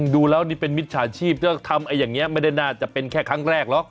ดูแล้วนี่เป็นมิจฉาชีพแล้วทำอย่างนี้ไม่ได้น่าจะเป็นแค่ครั้งแรกหรอก